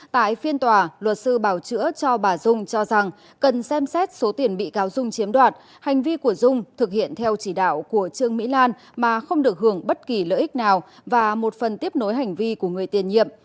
tại phiên tòa luật sư bảo chữa cho bà dung cho rằng cần xem xét số tiền bị cáo dung chiếm đoạt hành vi của dung thực hiện theo chỉ đạo của trương mỹ lan mà không được hưởng bất kỳ lợi ích nào và một phần tiếp nối hành vi của người tiền nhiệm